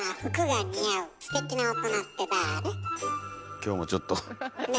今日もちょっと。ね。